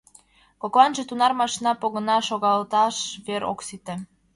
Кокланже тунар машина погына — шогалташ вер ок сите.